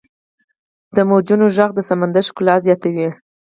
• د موجونو ږغ د سمندر ښکلا زیاتوي.